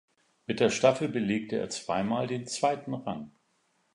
Mit der Staffel belegte er zweimal den zweiten Rang.